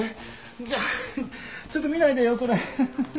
いやちょっと見ないでよそれ。